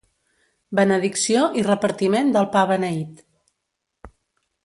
Benedicció i repartiment del pa beneït.